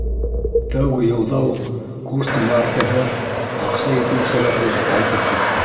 Тәүге йылда уҡ курстың яртыһы, аҡса етмәү сәбәпле, ҡайтып китте.